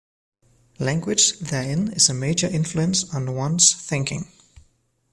Language therein is a major influence on ones thinking.